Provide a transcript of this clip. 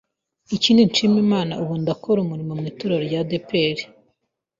Ikindi nshimaho Imana ubu ndakora umurimo mu Itorero rya ADEPR